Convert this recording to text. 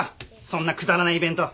そんなくだらないイベント。